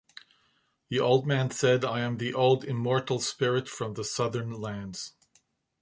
The old man said, I am the old immortal spirit from the southern lands.